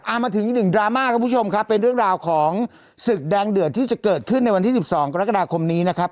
เอามาถึงอีกหนึ่งดราม่าคุณผู้ชมครับเป็นเรื่องราวของศึกแดงเดือดที่จะเกิดขึ้นในวันที่๑๒กรกฎาคมนี้นะครับ